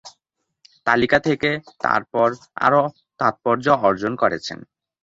তালিকা থেকে, তারপর, আরও তাত্পর্য অর্জন করেছেন।